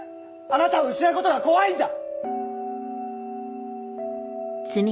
あなたを失うことが怖いんだ！